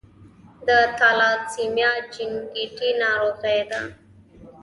د تالاسیمیا جینیټیکي ناروغي ده.